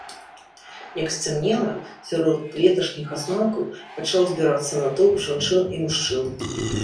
Як сцямнела, сярод леташніх асмалкаў пачаў збірацца натоўп жанчын і мужчын.